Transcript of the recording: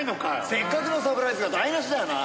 せっかくのサプライズが台無しだよな。